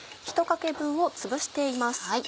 ひとかけ分をつぶしています。